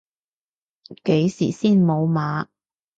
幾時先無碼？